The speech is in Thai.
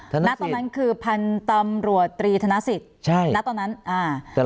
ทนักตอนนั้นคือพันธรรมรวตรีทนักศิษย์ใช่ทนักตอนนั้นอ่า